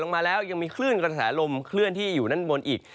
ลงมาแล้วยังมีคลื่นกระแสลมเคลื่อนที่อยู่ด้านบนอีก